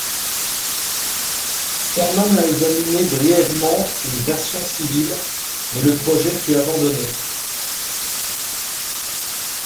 Farman a examiné brièvement une version civile, mais le projet fut abandonné.